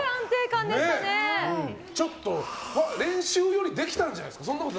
ちょっと、練習よりできたんじゃないですか。